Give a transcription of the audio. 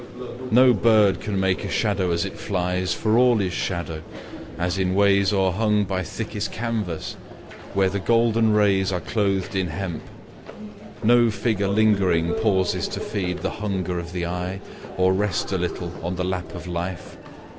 No bird can make a shadow as it flies, For all is shadow, as in ways o'erhungBy thickest canvass, where the golden raysAre clothed in hemp. No figure lingeringPauses to feed the hunger of the eyeOr rest a little on the lap of life.